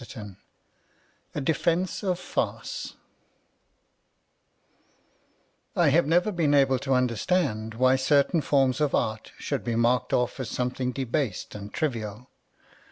A DEFENCE OF FARCE I HAVE never been able to understand why certain forms of art should be marked off as something debased and trivial.